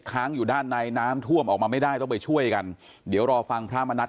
ท่านถือโดรงมามานั่งวิปัสสมากรรมฐานที่นี้